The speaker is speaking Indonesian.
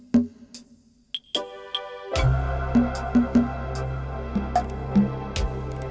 terima kasih nisa